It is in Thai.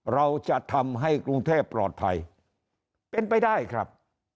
เราจะทำให้กรุงเทพปลอดภัยเป็นไปได้ครับ